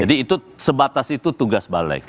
jadi itu sebatas itu tugas balek